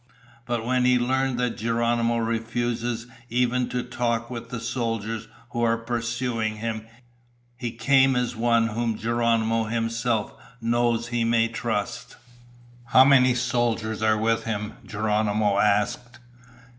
But when he learned that Geronimo refuses even to talk with the soldiers who are pursuing him, he came as one whom Geronimo himself knows he may trust." "How many soldiers are with him?" Geronimo asked.